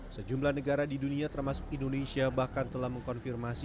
sejumlah negara di dunia termasuk indonesia bahkan telah mengkonfirmasi